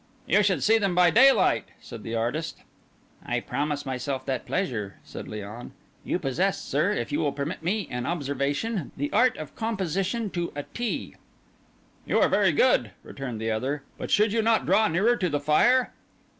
"You should see them by daylight," said the artist. "I promise myself that pleasure," said Léon. "You possess, sir, if you will permit me an observation, the art of composition to a T." "You are very good," returned the other. "But should you not draw nearer to the fire?"